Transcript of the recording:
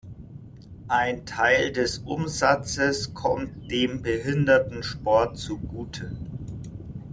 Ein Teil des Umsatzes kommt dem Behindertensport zugute.